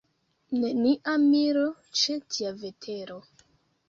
Nenia miro, ĉe tia vetero!